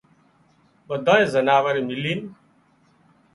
ٻڌانئي زنارانئي ملينَ